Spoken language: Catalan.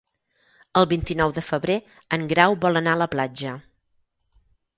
El vint-i-nou de febrer en Grau vol anar a la platja.